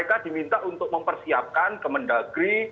kpk diminta untuk mempersiapkan kemendagri